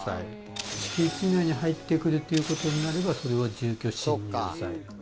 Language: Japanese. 敷地内に入ってくるということになればそれは住居侵入罪。